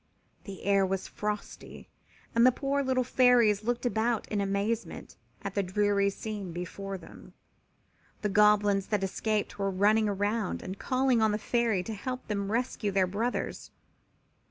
The air was frosty and the poor little Fairies looked about in amazement at the dreary scene before them. The Goblins that escaped were running around and calling on the Queen to help them rescue their brothers.